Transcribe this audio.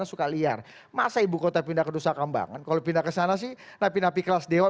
suka liar masa ibu kota pindah kedusakambangan kalau pindah ke sana sih tapi nabi kelas dewa